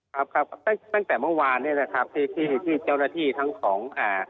ครับครับตั้งแต่เมื่อวานเนี้ยนะครับที่ที่เจ้าหน้าที่ทั้งของอ่า